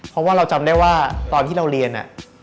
เพราะว่าเราจำได้ว่าตอนที่เราเรียน